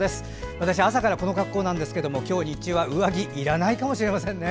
私、朝からこの格好なんですが日中は上着いらないかもしれませんね。